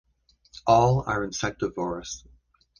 All are insectivorous.